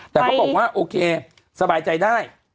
แต่เขาบอกว่าโอเคสบายใจได้